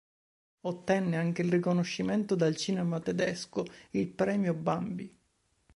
Ottenne anche un riconoscimento dal cinema tedesco, il premio Bambi.